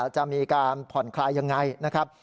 จะมีการผ่อนคลายยังไงนะครับ